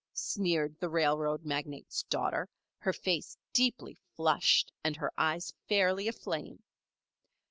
sneered the railroad magnate's daughter, her face deeply flushed and her eyes fairly aflame.